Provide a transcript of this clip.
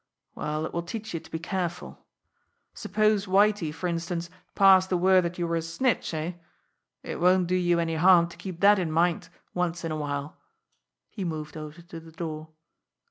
Well, it will teach you to be careful. Suppose Whitie, for instance, passed the word that you were a snitch eh? It won't do you any harm to keep that in mind once in a while." He moved over to the door.